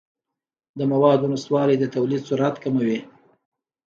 د موادو نشتوالی د تولید سرعت کموي.